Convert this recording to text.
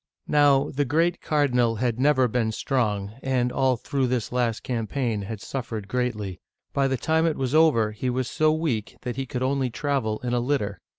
Now, the great cardinal had never been strong, and all through this last campaign had suffered greatly. By the time it was over, he was so weak that he could only travel in a litter.